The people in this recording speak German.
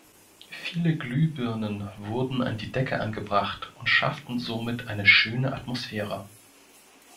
Viele Glühbirnen wurden an die Decke angebracht und schafften somit eine schöne Atmosphäre.